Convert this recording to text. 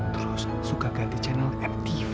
terus suka ganti channel ftv